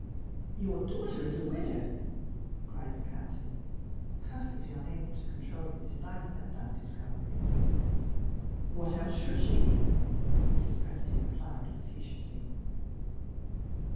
"Your daughter is a widow!" cried the Captain, perfectly unable to control his delight at that discovery. "What else should she be?" Mrs. Presty replied, facetiously.